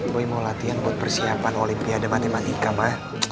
boy mau latihan buat persiapan olimpiade matematika ma